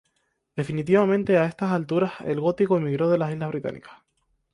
Definitivamente, a estas alturas el gótico emigró de las islas británicas.